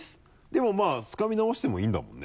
でもまぁつかみ直してもいいんだもんね。